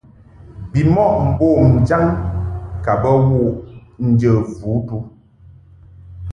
Bimɔʼ mbom jaŋ ka bə wuʼ njə vutu.